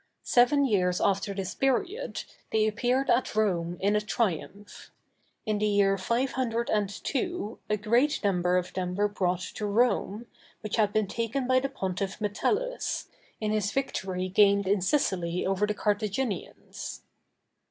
Seven years after this period, they appeared at Rome in a triumph. In the year 502 a great number of them were brought to Rome, which had been taken by the pontiff Metellus, in his victory gained in Sicily over the Carthaginians.